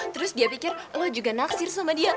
terus dia pikir lo juga nafsir sama dia